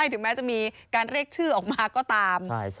ถึงแม้จะมีการเรียกชื่อออกมาก็ตาม